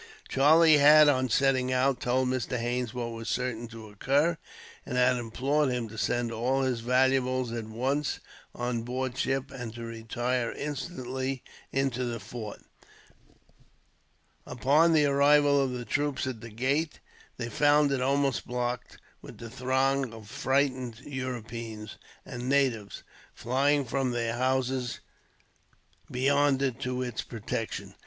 Charlie had, on setting out, told Mr. Haines what was certain to occur; and had implored him to send all his valuables, at once, on board ship; and to retire instantly into the fort. Upon the arrival of the troops at the gate, they found it almost blocked with the throng of frightened Europeans, and natives, flying from their houses beyond it to its protection.